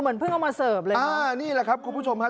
เพิ่งเอามาเสิร์ฟเลยอ่านี่แหละครับคุณผู้ชมครับ